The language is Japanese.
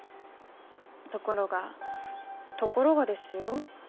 ところがところがですよ？